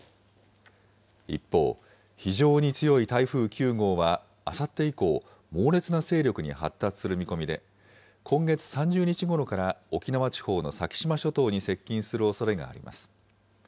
一方、非常に強い台風９号はあさって以降、猛烈な勢力に発達する見込みで、今月３０日ごろから沖縄地方の先島諸島に接近するおそれがあります。